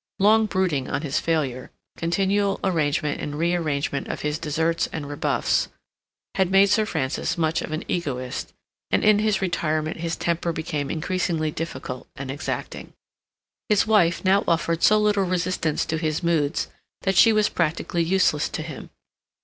Long brooding on his failure, continual arrangement and rearrangement of his deserts and rebuffs, had made Sir Francis much of an egoist, and in his retirement his temper became increasingly difficult and exacting. His wife now offered so little resistance to his moods that she was practically useless to him.